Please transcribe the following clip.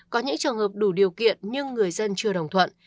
có những trường hợp đủ điều kiện nhưng người dân chưa đồng thuận